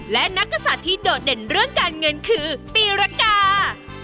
และนักกษัตริย์ที่โดดเด่นเรื่องการเงินคือปีรกา